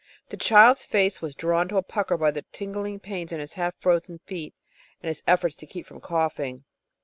The child's face was drawn into a pucker by the tingling pains in his half frozen feet, and his efforts to keep from coughing.